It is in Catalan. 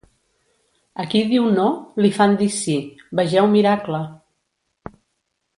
A qui diu "no" li fan dir "sí"; vegeu miracle!